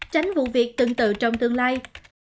tránh vụ việc tương tự trong tương lai